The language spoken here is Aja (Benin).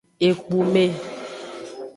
Ekpume.